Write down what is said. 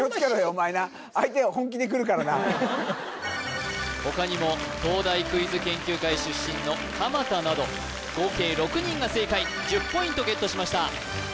お前な他にも東大クイズ研究会出身の蒲田など合計６人が正解１０ポイントゲットしました